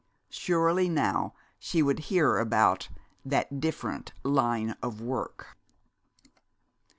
Surely now she would hear about that Different Line of Work.